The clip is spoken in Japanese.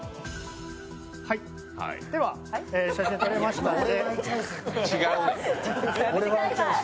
では、写真撮れましたので。